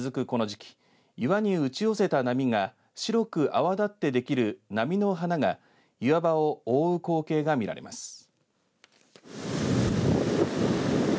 この時期岩に打ち寄せた波が白く泡だってできる波の花が岩場を覆う光景が見られます。